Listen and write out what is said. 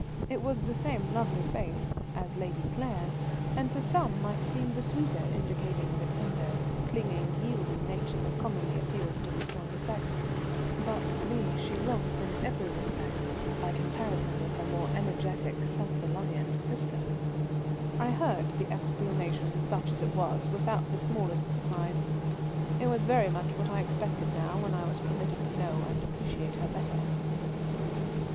It was the same lovely face as Lady Claire's, and to some might seem the sweeter, indicating the tender, clinging, yielding nature that commonly appeals to the stronger sex; but to me she lost in every respect by comparison with her more energetic, self reliant sister. I heard the explanation, such as it was, without the smallest surprise; it was very much what I expected now when I was permitted to know and appreciate her better.